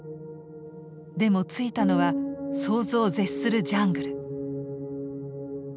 でも着いたのは想像を絶するジャングル。